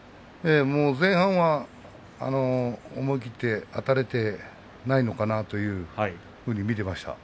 前半は思い切ってあたれていないのかなというふうに見ていました。